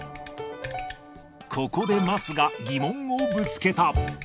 ここで桝が疑問をぶつけた。